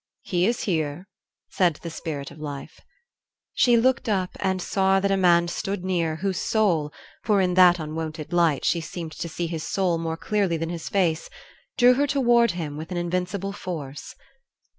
"He is here," said the Spirit of Life. She looked up and saw that a man stood near whose soul (for in that unwonted light she seemed to see his soul more clearly than his face) drew her toward him with an invincible force.